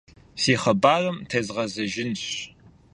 Си хъыбарым тезгъэзэжынщ.